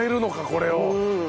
これを。